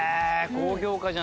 高評価じゃない。